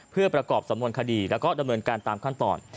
เพื่อประกอบสำนวนคดีแล้วก็ดำเนินการตามขั้นตอน